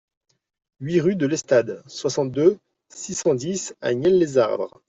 huit rue de l'Estade, soixante-deux, six cent dix à Nielles-lès-Ardres